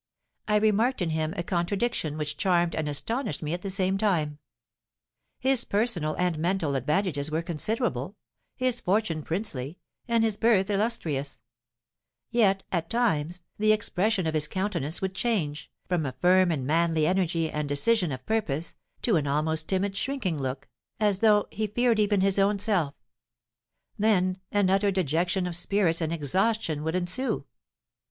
I remarked in him a contradiction which charmed and astonished me at the same time. His personal and mental advantages were considerable, his fortune princely, and his birth illustrious; yet, at times, the expression of his countenance would change, from a firm and manly energy and decision of purpose, to an almost timid, shrinking look, as though he feared even his own self; then an utter dejection of spirits and exhaustion would ensue.